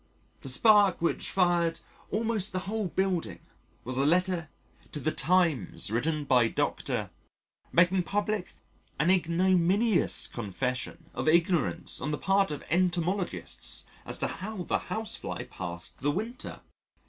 The spark which fired almost the whole building was a letter to the Times written by Dr. , making public an ignominious confession of ignorance on the part of Entomologists as to how the Housefly passed the winter.